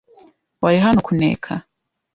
Wari hano kuneka?